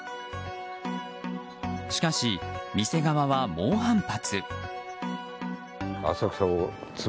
しかし、店側は猛反発。